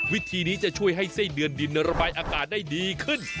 วิธีนี้จะช่วยให้ไส้เดือนดินระบายอากาศได้ดีขึ้น